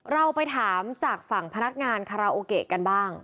เราไปถามจากฝั่งพนักงานคาราโอเกะกันบ้าง